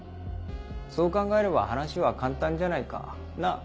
そう考えれば話は簡単じゃないか。なぁ